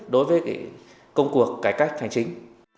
đối với công cuộc cải cách thành chính